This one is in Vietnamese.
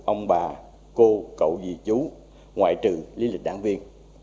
ông bà cô cậu gì chú ngoại trừ lý lịch đảng viên